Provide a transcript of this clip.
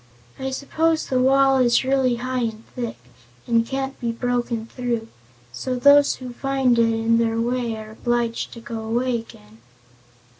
I suppose the wall is really high and thick, and can't be broken through, so those who find it in their way are obliged to go away again."